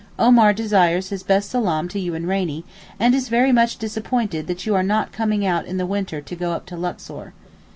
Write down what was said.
Omar desires his best salaam to you and to Rainie, and is very much disappointed that you are not coming out in the winter to go up to Luxor.